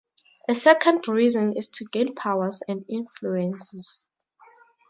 A second reason is to gain powers and influences.